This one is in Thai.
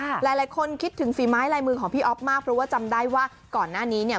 หลายคนคิดถึงฝีไม้ลายมือของพี่อ๊อฟมากเพราะว่าจำได้ว่าก่อนหน้านี้เนี่ย